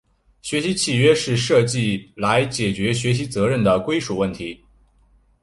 学习契约是设计来解决学习责任的归属问题。